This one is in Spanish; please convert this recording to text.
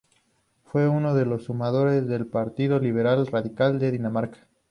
Fue uno de los fundadores del Partido Liberal Radical de Dinamarca.